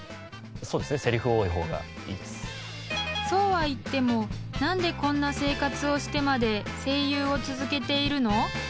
［そうはいっても何でこんな生活をしてまで声優を続けているの？］